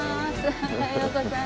おはようございます。